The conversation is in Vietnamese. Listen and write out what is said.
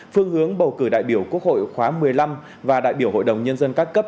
phương hướng bầu cử đại biểu quốc hội khóa một mươi năm và đại biểu hội đồng nhân dân các cấp